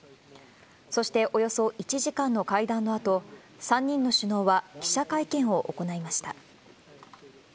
そしておよそ１時間の会談のあと、３人の首脳は記者会見を行いました。